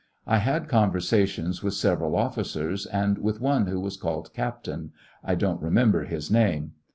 I had conversations with several officers, and with one who was called Captain ; I don't remember his name.